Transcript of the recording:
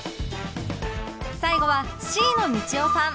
最後は Ｃ のみちおさん